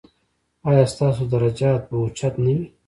ایا ستاسو درجات به اوچت نه وي؟